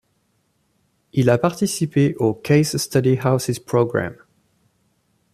Il a participé au Case Study Houses program.